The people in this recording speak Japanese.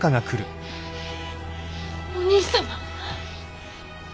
お兄様。